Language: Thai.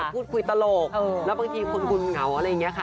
พูดคุยตลกแล้วบางทีคนคุณเหงาอะไรอย่างนี้ค่ะ